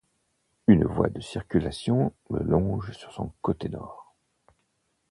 Une voie de circulation le longe sur son côté nord.